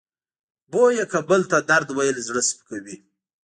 بویه که بل ته درد ویل زړه سپکوي.